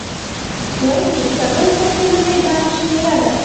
ویل یې که بل ځای تللی دا مې شمېره ده.